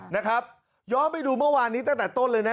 นะครับย้อนไปดูเมื่อวานนี้ตั้งแต่ต้นเลยนะ